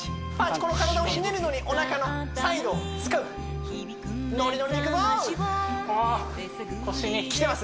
この体をひねるのにおなかのサイドを使うノリノリでいくぞお腰に負荷がきてます？